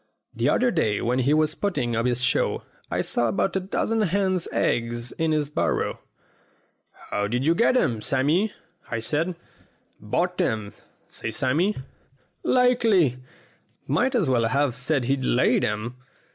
The other day when he was putting up his show I saw about a dozen hens' eggs in his barrow. 'How did you get 'em, Sammy?' I says. 'Bought 'em,' says Sammy. 28 STORIES WITHOUT TEARS Likely! Might as well have said he'd laid 'em.